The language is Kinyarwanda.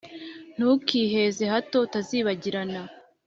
ntukiheze, hato utazibagirana